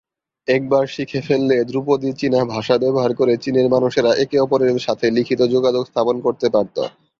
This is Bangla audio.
একবার শিখে ফেললে ধ্রুপদী চীনা ভাষা ব্যবহার করে চীনের মানুষেরা একে অপরের সাথে লিখিত যোগাযোগ স্থাপন করতে পারত।